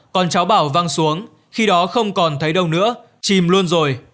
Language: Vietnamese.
còn cháu bảo văng xuống khi đó không còn thấy đâu nữa chìm luôn rồi